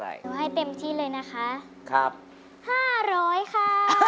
เดี๋ยวให้เต็มที่เลยนะคะครับ๕๐๐ค่ะ